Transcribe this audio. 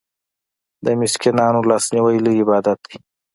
د مسکینانو لاسنیوی لوی عبادت دی.